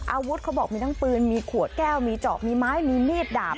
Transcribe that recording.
เขาบอกมีทั้งปืนมีขวดแก้วมีเจาะมีไม้มีมีดดาบ